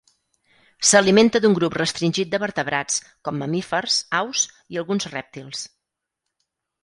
S'alimenta d'un grup restringit de vertebrats, com mamífers, aus i alguns rèptils.